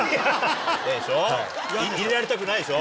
でしょ入れられたくないでしょ。